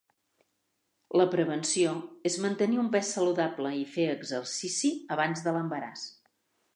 La prevenció és mantenir un pes saludable i fer exercici abans de l'embaràs.